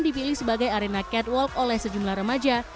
dipilih sebagai arena catwalk oleh sejumlah remaja